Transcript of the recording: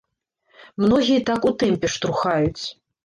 Многія так у тэмпе штурхаюць.